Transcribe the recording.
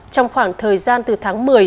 trong khoảng thời gian từ tháng một mươi